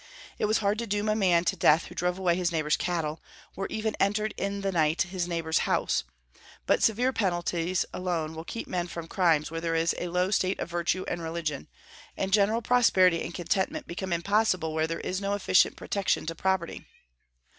It was hard to doom a man to death who drove away his neighbor's cattle, or even entered in the night his neighbor's house; but severe penalties alone will keep men from crimes where there is a low state of virtue and religion, and general prosperity and contentment become impossible where there is no efficient protection to property.